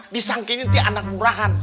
disangkingin di anak murahan